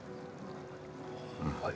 はい。